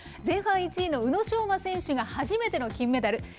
前半１位の宇野昌磨選手が初めての金メダル。